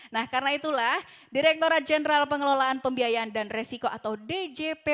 nah karena itulah direkturat jenderal pengelolaan pembiayaan dan resiko atau djp